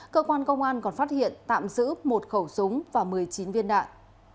cơ quan công an còn phát hiện tạm giữ một khẩu súng và một mươi chín viên đạn